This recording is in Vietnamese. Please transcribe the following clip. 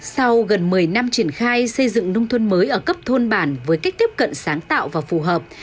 sau gần một mươi năm triển khai xây dựng nông thôn mới ở cấp thôn bản với cách tiếp cận sáng tạo và phù hợp